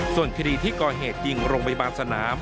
ส่วนคดีที่ก่อเหตุยิงโรงพยาบาลสนาม